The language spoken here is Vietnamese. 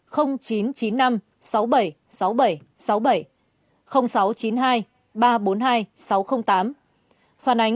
không được phản ánh